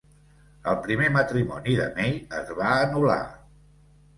El primer matrimoni de Mai es va anul·lar.